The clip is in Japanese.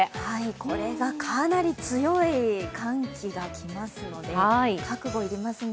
これがかなり強い寒気がきますので覚悟いりますね。